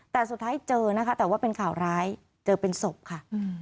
แต่สุดท้ายเจอนะคะแต่ว่าเป็นข่าวร้ายเจอเป็นศพค่ะ